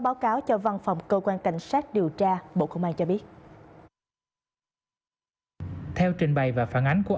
báo cáo cho văn phòng cơ quan cảnh sát điều tra bộ công an cho biết theo trình bày và phản ánh của